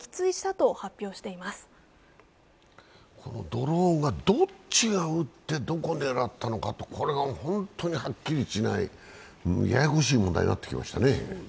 ドローンがどっちが撃って、どこ狙ったのか、これが本当にはっきりしない、ややこしい問題になってきましたね。